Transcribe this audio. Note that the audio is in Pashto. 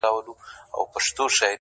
پرې ویده تېرېږي بله پېړۍ ورو ورو-